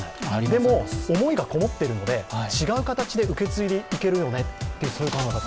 でも、思いが籠もってるので違う形で受け継いでいけるよねという考え方。